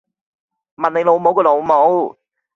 問你老母個老母